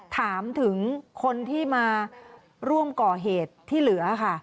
ถามถึงคนที่มาร่วมก่อเหตุที่เหลือค่ะ